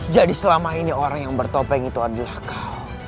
jadi selama ini orang yang bertopeng itu adalah kau